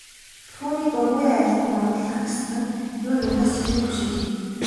Түүнийг дургүй айлд нь оруулах гэсэн нь юу юунаас ч илүү түгшээжээ.